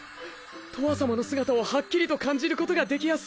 とわさまの姿をはっきりと感じることができやす！